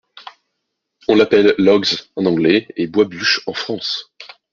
On l'appelle logs en anglais et bois bûche en France.